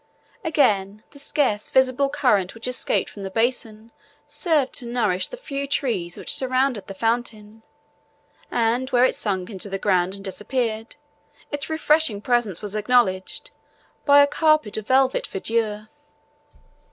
Again, the scarce visible current which escaped from the basin served to nourish the few trees which surrounded the fountain, and where it sunk into the ground and disappeared, its refreshing presence was acknowledged by a carpet of velvet verdure.